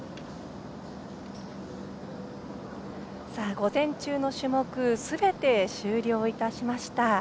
午前中の種目すべて終了いたしました。